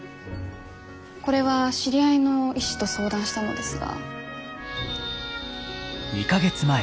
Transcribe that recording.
これは知り合いの医師と相談したのですが。